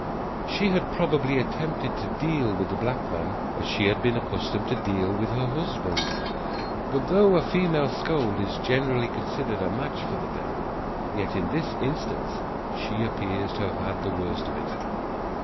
She had probably attempted to deal with the black man as she had been accustomed to deal with her husband; but though a female scold is generally considered a match for the devil, yet in this instance she appears to have had the worst of it.